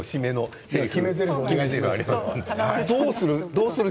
どうする？